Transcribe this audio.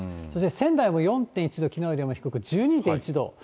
仙台も４．１度きのうよりも低く、１２．１度。